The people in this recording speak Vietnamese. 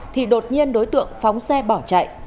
thì đột nhiên đối tượng phóng xe bỏ chạy